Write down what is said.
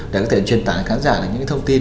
để có thể truyền tả cho khán giả những cái thông tin